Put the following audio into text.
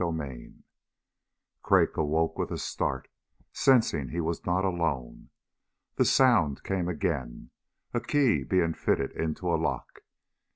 CHAPTER 2 Crag woke with a start, sensing he was not alone. The sound came again a key being fitted into a lock.